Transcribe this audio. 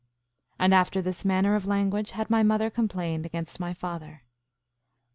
5:3 And after this manner of language had my mother complained against my father.